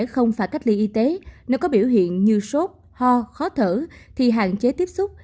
không phải cách ly y tế nếu có biểu hiện như sốt ho khó thở thì hạn chế tiếp xúc